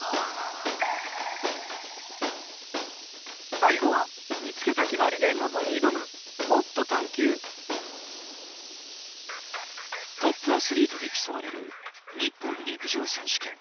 最後は見つけた決まりでなぞにいどむトップアスリートで競われる日本陸上選手権。